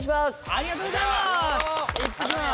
ありがとうございます！